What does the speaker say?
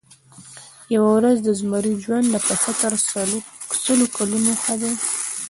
یوه ورځ د زمري ژوند د پسه تر سلو کلونو ښه دی.